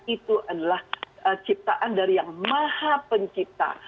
itu adalah ciptaan dari yang maha pencipta